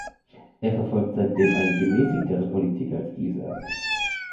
Er verfolgt seitdem eine gemäßigtere Politik als dieser.